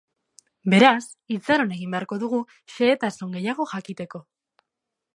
Beraz, itxaron egin beharko dugu xehetasun gehiago jakiteko.